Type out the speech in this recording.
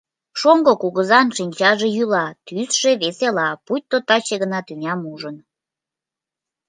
Шоҥго кугызан шинчаже йӱла, тӱсшӧ весела — пуйто таче гына тӱням ужын.